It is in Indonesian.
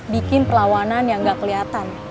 bikin perlawanan yang gak kelihatan